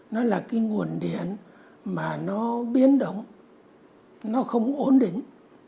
nó là cái nguồn điện mà nó biến động nó không ổn định